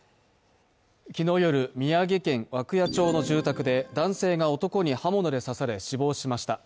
昨日夜、宮城県涌谷町の住宅で男性が男に刃物に刺され、死亡しました。